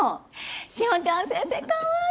志保ちゃん先生かわいい！